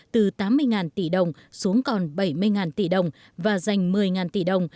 từ tám mươi tỷ đồng xuống còn bảy mươi tỷ đồng và dành một mươi tỷ đồng